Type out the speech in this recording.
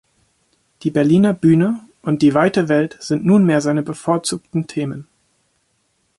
Die Berliner Bühne und die weite Welt sind nunmehr seine bevorzugten Themen.